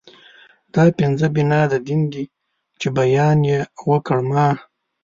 دا پنځه بنا د دين دي چې بیان يې وکړ ما